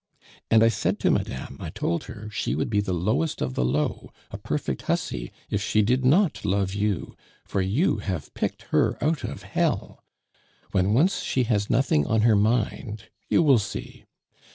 And I said to madame, I told her she would be the lowest of the low, a perfect hussy, if she did not love you, for you have picked her out of hell. When once she has nothing on her mind, you will see.